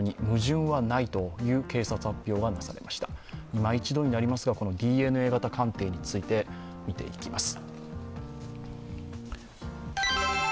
いま一度になりますが、ＤＮＡ型鑑定について見ていきます。